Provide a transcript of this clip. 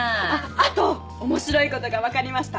あと面白いことが分かりました。